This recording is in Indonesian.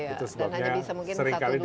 itu sebabnya seringkali dipakai